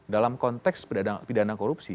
dalam konteks pidana korupsi